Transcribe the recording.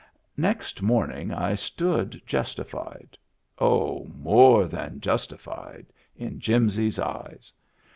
Next morning I stood justified — oh, more than justified — in Jimsy's eyes.